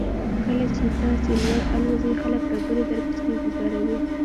کله چې تاسو لوړ الوځئ خلک درپسې ډبرې ګوزاروي.